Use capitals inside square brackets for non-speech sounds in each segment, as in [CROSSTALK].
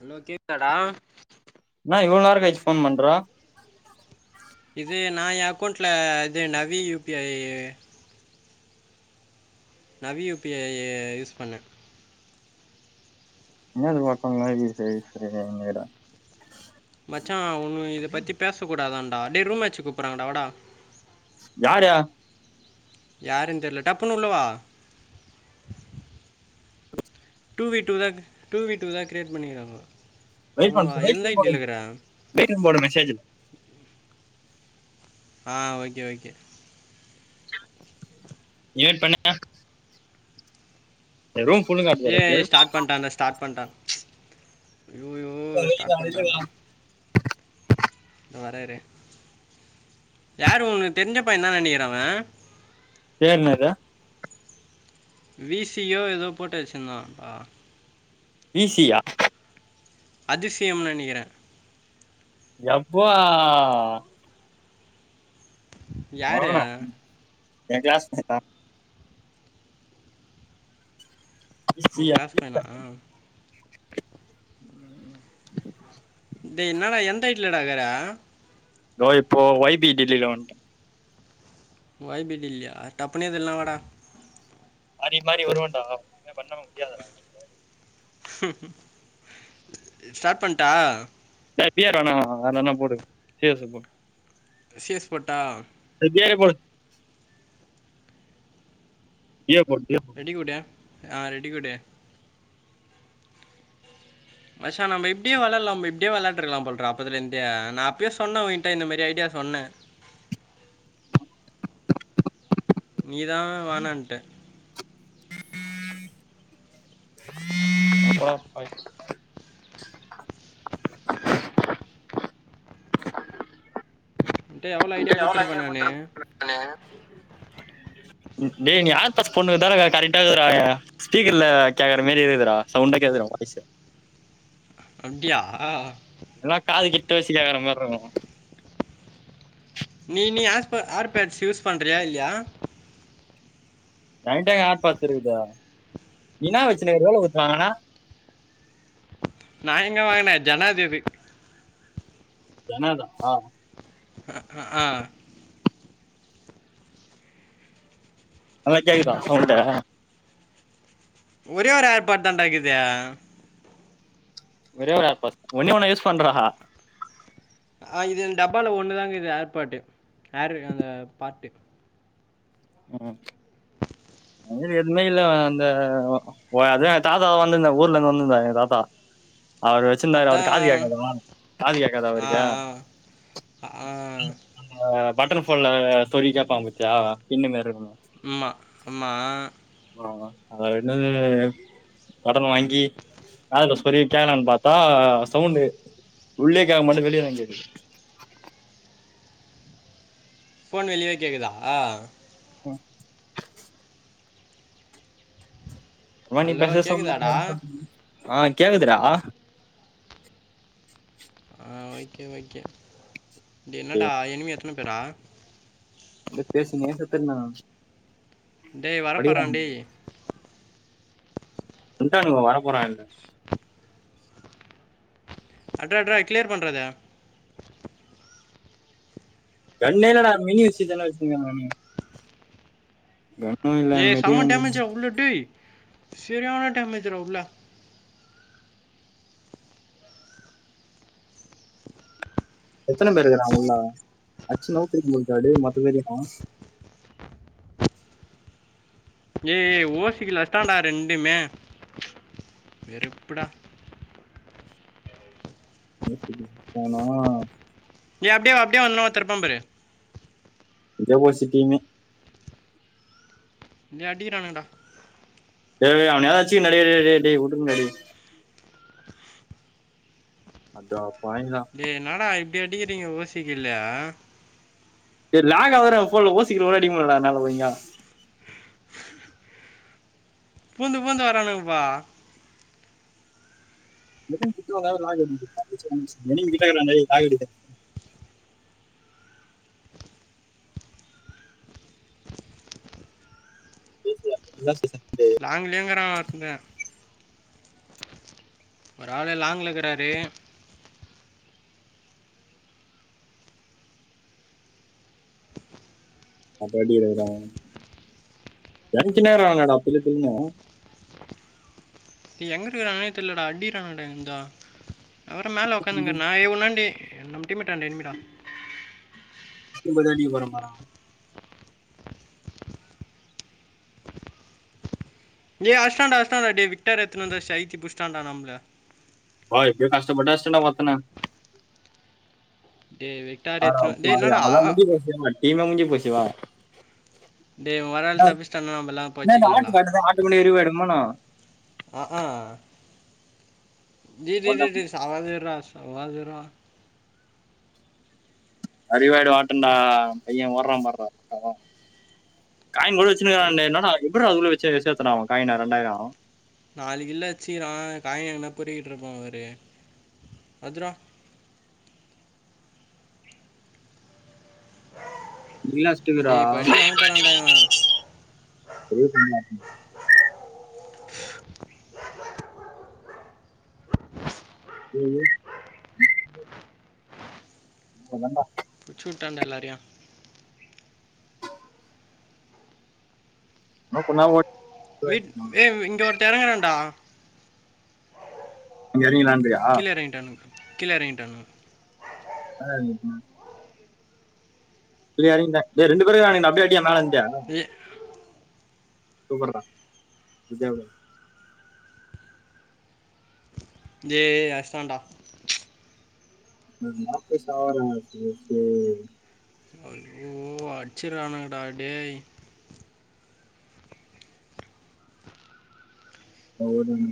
Hello கேக்தா டா என்னா இவள நேர கழிச்சு ஃபோன் பண்ற இது ந எ அக்கௌண்ட்ல இது Navi U P I Navi U P I use பண்ணே என்ன அது [UNINTELLIGIBLE] யு பி ஐ யூஸ் [UNINTELLIGIBLE] மச்சா ஒன்னு இத பத்தி பேச கூடாதான்டா டே ரூம்மாச்சு கூப்பறாங்கடா வாடா யார்ர யாருன்னு தெரியில டப்புன்னு உள்ளவா டூ வீ டூ தான் டூ வீ டூ தான் கிரரியேட் பண்ணிக்கிறாங்க டப்புன்னு வா எது நைட்டில்கிறா வீட்டுக்கு போடு மெசேஜ்ஜு ஆ ஓகே ஓகே நீயே பண்ணு அ இந்த ரூம் ஃபுல்லுங்க ஏ ஸ்டார்ட் பண்ணிட்டேந்தா ஸ்டார்ட் பண்ணிட்டேதா ம்ச் யோ யோ ஸ்டார்ட் பண்டாண்டா நா வரே இரு யாரு உனக்கு தெரிஞ்ச பையதா நெனைக்கிற அவ ஏம் அதா வி சி யோ ஏதோ போட்டு வச்சுருந்தாப்பா வி சி யா அதிசயம் நெனைக்கிறே யப்பா யாரு வளவளா ம் என் கிளாஸ் மெட் ஆ உன் கிளாஸ் பையனா [UNINTELLIGIBLE] ம் ம் டேய் என்னடா எந்த வீட்ல டா இருக்குற ஆ இப்போ வை பி டெல்லில வண்டோ வைடில்லியா டப்பனை தில்னா வடா மாரி மாரி வருவோடா என்ன பண்ண முடியாத ம் ஸ்டார்ட் பண்ட்டா ஹாப்பியா இருக்கானா வேற எதான்னு போடு சேசு போடு சேஸ் போட்டா வேற போடு டுயோ போடு டுயோ ரெடி கூடு ஆ ரெடி கூடு மச்சா நம்ம இப்டியே விளாயல நம் இப்டியே விளையாட்டுருலா போற அப்பதுல இருந்து நா அப்யே சொன்னே ஒய் ட்டா இந்த மாரி ஐடியா சொன்னே நீதான் வேனான்ட்ட அப்பா ஹாய் என்கிட்ட எவ்வளோ ஐடியா டேய் எவளோ கொடுத்துருப்பேன் நான் நேரம்தா [UNINTELLIGIBLE] டேய் நீ ஆல் பாஸ் பொண்ணுக்கதான கேட்ட ரெண்டாவது தடவையா ஸ்பீக்கர் எல்ல கேக்குற மாரி இருக்குடா சவுண்ட் கேக்குதுடா உன் வாய்ஸ் அப்டியா இதெல்லா காது கிட்ட வச்சு கேற மாரி இருக்கு நீ நீ ஏர்பே ஏர்பேட்ஸ் யூஸ் பண்றியா இல்லையா ஏண்ட எங்க ஏர்பேட்ஸ் இருக்குது என்ன வச்சுருக்க [UNINTELLIGIBLE] கானா நா எங்க வாங்குனே ஜனாதி இது ஜனதா ஆ அ ஆ ஆ ஹலோ கேக்குதா சவுண்ட்வு ஒரே ஒரு ஏர்பேட் தாண்ட இருக்குது ஒரே ஒரு ஏர்பேட்ஸ் ஒன்னே ஒன்னு யூஸ் பண்றா ஆ இதில் டப்பாவில ஒன்னு தாங்க இருக்குது ஏர்பேட்டு ஏர் அந்த பார்ட்டு ம் அது மாரி எதுவுமே இல்ல அந்த ஓ அதுதா எங்க தாத்தா வந்துதார் ஊர்ல இருந்து வந்துதார் எங்க தாத்தா அவரு வச்சிருந்தாரு அவரு அதா காது கேட்காதா காது கேட்காதா அவருக்கு ஆ ஆ பட்டன் போன்ல சொருவி கேப்பாங்க பாத்தியா பின்னு மாரி இருக்குமே ம்மா ஆமா ஆ அது [UNINTELLIGIBLE] கடன் வாங்கி காதுல சொருவி கேட்கலானு பாத்தா சவுண்டு உள்ளையே கேட்க மாட்டேங்குது வெளிய தா கேக்குது போன் வெளியவே கேக்குதா ஆ ஹலோ கேக்குதாடா [UNINTELLIGIBLE] ஆ கேக்குது டா ஆ ஓகே ஓகே இது ஐயோ, என்னடா எனிமே எத்தன பேர்ரா பேசு [UNINTELLIGIBLE] டேய் வரப் போறான் டே வன்டாங்களா வர போறாங்களா அட்ரா அட்ரா கிளியர் பண்ற அத கன்னே இல்லடா மினி [UNINTELLIGIBLE] தானே வச்சுருக்காங்க அவனுங்க என் ஏ செம டேமேஜ்டா உள்ள டேய் சரியான டேமேஜ் டா உள்ள எத்தன பேரு இருக்கறாங்க உள்ள அடிச்சு நவுத்தி [UNINTELLIGIBLE] மொத்த பேரையு காணோ ஏ ஏ ஓசி கில் அடிச்டான்டா ரெண்டுமே வெறுப்புடா ஓசிக்கில் அடிச்சிட்டானா நீ அப்படியே வா அப்படியே வா இன்னொருத்த இருப்பா பாரு [UNINTELLIGIBLE] என்னைய அடிக்கிறானுகடா ஏ ஏ அவனியாவது அச்சுக்குறே டே டே டே டே உடுங்கடி அந்த பாயிண்டு தா டே என்னா டா இப்படி அடிக்கிறீங்க ஓசிக்கில்ல டே லாங்காவது டா போன்ல ஓசிகில் கூட அடிக்க முடிலடா என்னால ஒழுங்கா பூந்து பூத்து வரானுங்கப்பா [UNINTELLIGIBLE] [INAUDIBLE] லாங்கலேங்கரா ஒருந்தங்க ஒரு ஆளு லாங்கல இருக்கறாரு அப்ப அடி [UNINTELLIGIBLE] ஏ எங்குட்டு இருக்காங்கன்னே தெரில டா அடிக்குறாங்க டா எங்கிருந்தோ அவரு மேல உக்காந்து இங்க பிள்ளைன்னு நா எ உன்னாண்டே நம்ம டீம் மேட் அன்ட எனிமிடா உங்கள அடிக்க போறே பாரே டே அடிச்டாண்டா அடிச்டாண்டா டே விக்டர் எடுத்துட்டு வந்து சைத்தி புடிச்டாண்டா நம்பள பா எப்படியோ கஷ்டப்பட்டு அசிஸ்டன்டா ஒர்த்தன டே விக்டார் அட எத்தனை டே பாவி என்னடா அவ்ளதா முடிஞ்சு போச்சு நம்ப டீமே முடிஞ்சு போச்சு வா டே ஒரு ஆள் நா தப்பிச்சிட்டானா நம்ம எல்லாம் என்ன இந்த ஹார்ட் காட்டுது ஹார்ட்க்கு [UNINTELLIGIBLE] அ ஆ டே டே டே டே சாவாது இரா சாவாது இரா அறிவாயிடு ஒட்டம்டா பைய ஓடுறா பாருடா [UNINTELLIGIBLE] காயின் [UNINTELLIGIBLE] வச்சிருக்கான் டா என்னா டா எப்றா அதுக்குள்ள வச்சு சேத்தா டா அவன் காயின் ரெண்டாயிரம் நாலு கிலோ வச்சுக்கிறான் காயினா எங்கனா பொரிகிட்டு இருப்பான் பாரு பத்ரோம் டேய் இப்போ அடி வாங்க போகிறான்டா இவன் [UNINTELLIGIBLE] உ ஏ இப்ப தான்டா முடிச்சுட்டாண்டா எல்லாரையும் நோ பண்ணாலும் ஓ வீட்கிட்டே இங்க ஒருத்தே இறங்கறாண்டா இங்க இறங்கிலான்றியா கிழ ஏறங்கிடானுங்க கிழ ஏறங்கிடானுங்க யாரு எறங்கிருக்கா பிரியாணி இல்ல செ ரெண்டு பேருக்கான அப்றோ எதுக்கு அடி ஏ மேலே எறிஞ்ச ஜி சூப்பர்டா பிசியா டே அடுச்சாண்டா நாற்பது சவரம் [UNINTELLIGIBLE] [UNINTELLIGIBLE] அடுச்சுரானுங்கடா டே பௌர்ணமி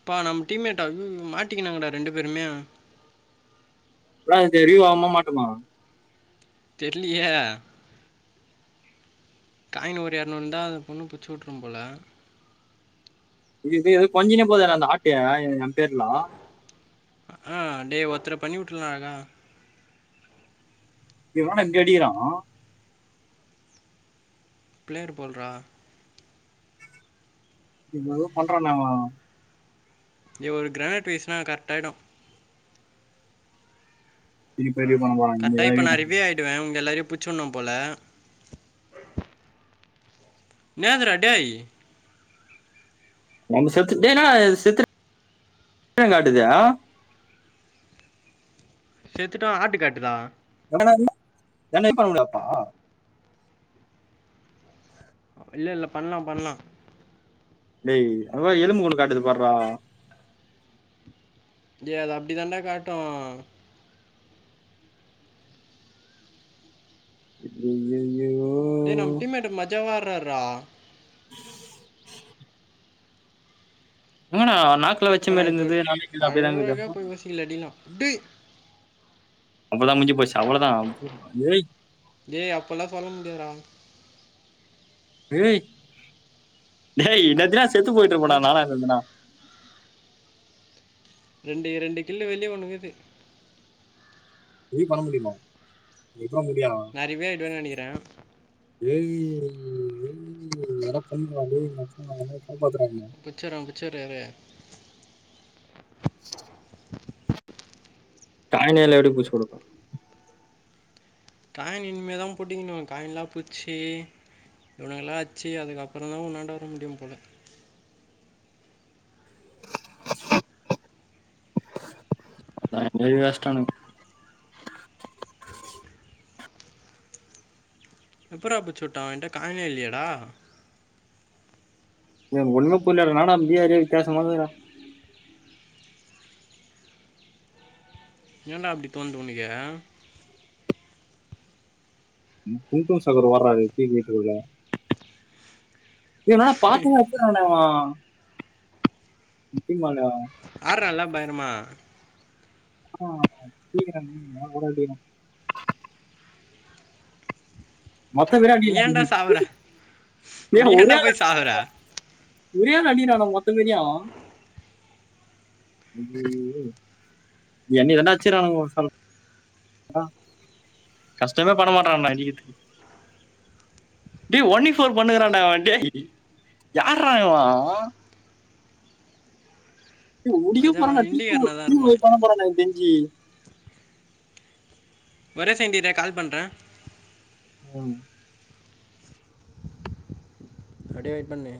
அப்பா நம்ம டீம்மேட்ட ம் மாட்டிக்கானுங்கடா ரெண்டு பேருமே இப்லா தெரியும் வாங்கமாட்டமா தெர்லயே காயின் ஒரு இரநூறு தா பொண்ணு பிச்சி விட்ரும் போல இது கொஞ்சினே போது அந்த ஆட்டைய எம் பேர்லா ஆ டே ஒருத்தன பண்ணி வுட்ரலா என்னா டே வாடாஇங்க அடிக்கலா வ ப்ளேயர் போல் றா என்னவோ பண்றான்டா அவெ இவரு கிராட்ரைஸ்னா கரெக்ட் ஆய்டும் திருப்பி ரிவ்யூ பண்ண போறான் இங்க கரெக்ட் ஆகி ஏதாவது இப்ப நா பண்ண போறான். ரிவ்யூ ஆயிடுவே உங்க எல்லாரையும் பிருச்சுனு போல என்னாதுடா டே செத்து டே என்னடா செத்து ஏனா காட்டுது செத்துட்டா ஆட்டு காட்டு தா எவனா நீ என்ன இப்ப முடியாப்பா அப்டிலா இல்ல பண்லா பண்லா டே அது தா எலும்பு கூடு காட்டுது பாருடா டே அது அப்டி தாண்டா காட்டும் ஐயய்யோ டேநம்ம டீம்மேட்டுக்கு மஜவா ஆடுராரு ரா ம் எங்கண்ணா நாக்கல வச்சமாரி இருந்தது நாக்குல அப்டிதாங்கது கீழ அடினா டேய் அவ்ள தா முஞ்சி போச்சு அவ்ள தா ஏய் டே அப்பல்ல சொல்ல முடியாது டா ஏய் டே இன்னேத்திலா செத்து பொய்ட்டு இருப்பே டா மஜ் நானா இருந்தனா ரெண்டு ரெண்டு கில்லோ வெள்ளி ஒன்னு இக்குது நீ பண்ண முடியுமா எப்பிட்றா முடியு நான் ரிவே ஆயிடுவேன்னு நினைக்கிறேன். ஏலியன் வெள்ளி எதோ பண்ணிருவான்டு [INAUDIBLE] காப்பாத்துறாய்ங்க பிச்சர்ரா பிச்சர்ரேவே சாய்ங்காலோ எப்டி புஸ் குடுக்கு காயின் இன் மே தா புடிக்கணு காயின்லா போய்ச்சி இவனுங்கல்லா அட்ச்சி அதுக்கப்பறந்தா உன்னாண்ட வர முடியு போல [INAUDIBLE] ஏற்கனவே அஸ்ட்டானுக எப்பிட்றா புச்சு வுட்டா அவன்ட்ட காயினே இல்லியேடா என்க் ஒன்னுமே புரில அதனால நா முடியாது பேசம்மோதுடா ஏன்டா அப்டி தோண்து உனக்கு டுன் டுன் சபோடு வராரு பின் கேட்டு வழியா டே என்னடா பாத்து வர [INAUDIBLE] ஹலோ [INAUDIBLE] ஆட்றால்லா பயங்கரமா [INAUDIBLE] மொத்த பேரையு நீ ஏன்டா அடிக்கிறா சாவுற [UNINTELLIGIBLE] நீ தான்டா போய் சாவுற ஒரே ஆள் அடிக்கிறான்டா மொத்த பேரயு ஐயய்யோ என்னய தான்டா அச்சிர்றானுங்க ஒர் சன் அதா கஷ்டமே படமாட்றான்டா அடிக்கற்த்துக்கு டே ஒன்லி ஃபோர் பண்ணுக்கறான்டா அவ டேய் யார்றா இவ ஓ டே ஓடியே மஜாவா போறான்டா டீக்கு இண்டிகாரனாக தான் டீக்குவ இருப்பான் போட போறான்டா எனக் தெஞ்சி ஒரே செகண்ட் இரே கால் பண்றே ம் அப்டியே வெயிட் பண்ணு